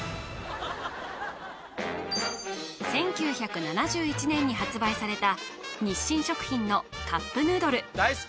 １９７１年に発売された日清食品のカップヌードル